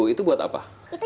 itu buat apa